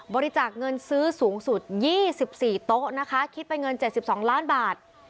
บริจาคเงินซื้อสูงสุด๒๔โต๊ะนะคะคิดเป็นเงิน๗๒ล้านบาท